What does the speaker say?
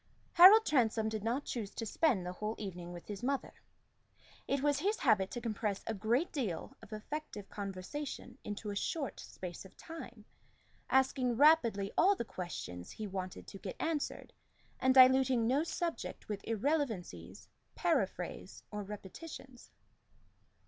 Harold Transome did not choose to spend the whole evening with his mother. It was his habit to compress a great deal of effective conversation into a short space of time, asking rapidly all the questions he wanted to get answered, and diluting no subject with irrelevancies, paraphrase, or repetitions.